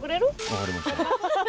分かりました。